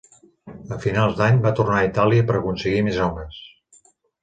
A finals d'any va tornar a Itàlia per aconseguir més homes.